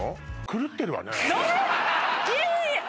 狂ってるわねえっ？